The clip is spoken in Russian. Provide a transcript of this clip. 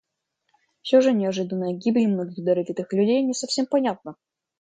Все же неожиданная гибель многих даровитых людей не совсем понятна.